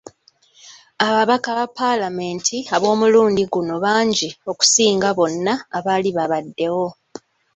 Ababaka ba paalamenti ab'omulundi guno bangi okusinga bonna abaali babaddewo.